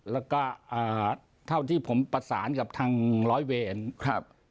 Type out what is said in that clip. แล้วก็เท่าที่ผมประสานกับทางร้อยเวร